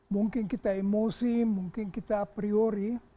mungkin kita emosi mungkin kita priori